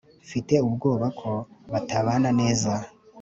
Mfite ubwoba ko batabana neza